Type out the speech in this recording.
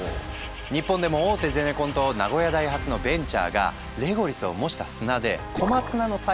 日本でも大手ゼネコンと名古屋大発のベンチャーがレゴリスを模した砂でコマツナの栽培に成功したのよ。